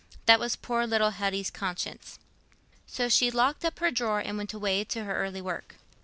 That was poor little Hetty's conscience. So she locked up her drawer and went away to her early work.